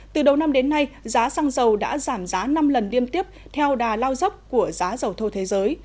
từ đầu năm đến nay giá xăng dầu đã giảm giá năm lần liêm tiếp theo đà lao dốc của giá dầu thô thế giới